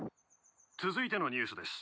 続いてのニュースです。